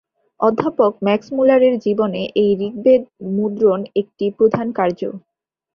অধ্যাপক ম্যাক্সমূলারের জীবনে এই ঋগ্বেদ-মুদ্রণ একটি প্রধান কার্য।